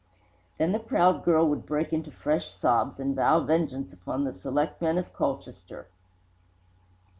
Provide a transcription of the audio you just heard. Then the proud girl would break into fresh sobs, and vow vengeance upon the selectmen of Colchester.